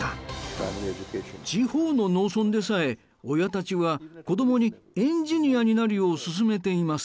地方の農村でさえ親たちは子供にエンジニアになるよう勧めています。